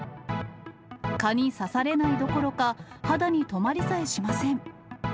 蚊に刺されないどころか、肌に止まりさえしません。